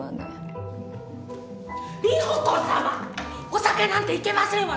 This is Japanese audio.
お酒なんていけませんわ！